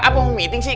apa meeting sih